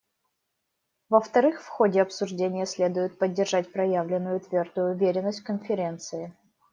Во-вторых, в ходе обсуждения следует поддерживать проявленную твердую уверенность в Конференции.